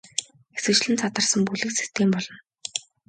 Хэсэгчлэн задарсан бүлэг систем болно.